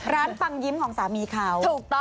ร้านปังยิ้มของสามีเขา